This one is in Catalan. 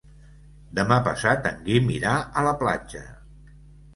Demà passat en Guim irà a la platja.